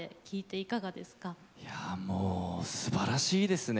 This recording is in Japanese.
いやもうすばらしいですね。